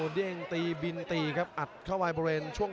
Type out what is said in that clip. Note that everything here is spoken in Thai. ดิงตีบินตีครับอัดทะวายเบอร์เรน